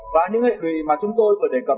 và những hệ lụy mà chúng tôi vừa đề cập